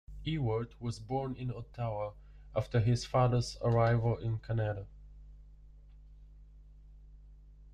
Ewart was born in Ottawa after his father's arrival in Canada.